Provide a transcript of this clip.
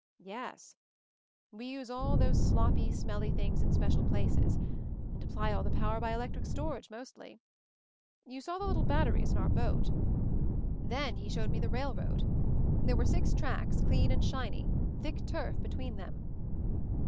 "Yes. We use all those sloppy, smelly things in special places— and apply all the power by electric storage mostly. You saw the little batteries in our boat." Then he showed me the railroad. There were six tracks, clean and shiny — thick turf between them.